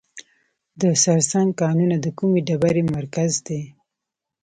د سرسنګ کانونه د کومې ډبرې مرکز دی؟